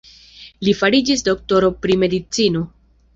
Li fariĝis doktoro pri medicino.